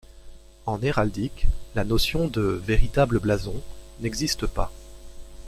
En héraldique, la notion de 'véritable blason' n'existe pas.